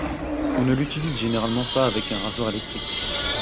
On ne l'utilise généralement pas avec un rasoir électrique.